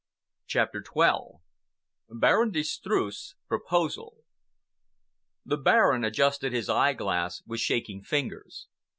CHAPTER XII BARON DE STREUSS' PROPOSAL The Baron adjusted his eyeglass with shaking fingers.